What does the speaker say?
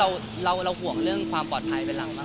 แต่ว่าเราห่วงเรื่องความปลอดภัยไปหลังมาก